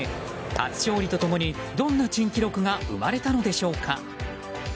初勝利と共にどんな珍記録が生まれたのでしょうか。